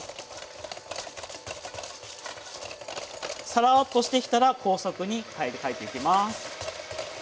サラーッとしてきたら高速に変えていきます。